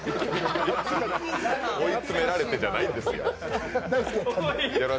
追い詰められてじゃないんですよ。